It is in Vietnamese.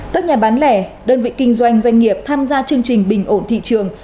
các nhà bán lẻ đơn vị kinh doanh doanh nghiệp tham gia chương trình bình ổn thị trường